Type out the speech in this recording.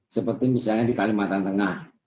seperti misalnya di kalimantan tengah